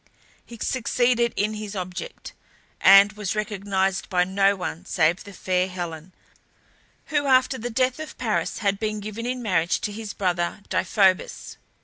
He succeeded in his object, and was recognized by no one save the fair Helen, who after the death of Paris had been given in marriage to his brother Deiphobus.